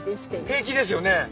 平気ですよね。